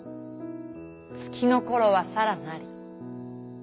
月のころはさらなり。